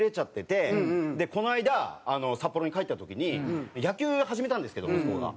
この間札幌に帰った時に野球始めたんですけど息子が。